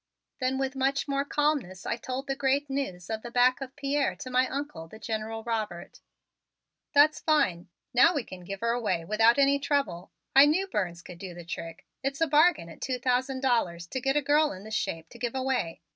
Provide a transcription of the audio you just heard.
Then with much more calmness I told the great news of the back of Pierre to my Uncle, the General Robert. "That's fine now we can give her away without any trouble. I knew Burns could do the trick. It's a bargain at two thousand dollars to get a girl in the shape to give away.